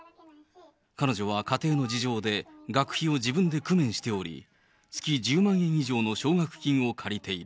彼女は家庭の事情で、学費を自分で工面しており、月１０万円以上の奨学金を借りている。